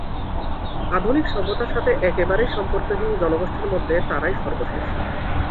আধুনিক সভ্যতার সাথে একেবারেই সম্পর্কহীন জনগোষ্ঠীর মধ্যে তারাই সর্বশেষ।